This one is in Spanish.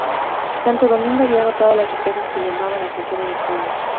Santo Domingo había agotado las riquezas que llamaban la atención en España.